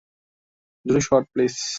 দুটো shot, please.